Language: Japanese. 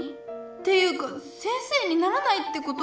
ていうか先生にならないってこと？